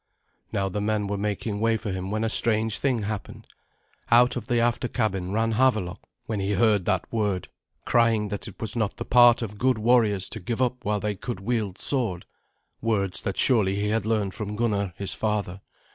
Now the men were making way for him when a strange thing happened. Out of the after cabin ran Havelok when he heard that word, crying that it was not the part of good warriors to give up while they could wield sword words that surely he had learned from Gunnar, his father.